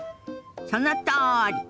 そのとおり！